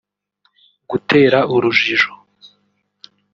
gutera urujijo